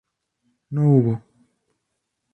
No hubo.